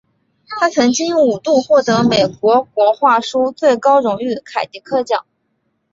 他曾经五度获得美国图画书最高荣誉凯迪克奖。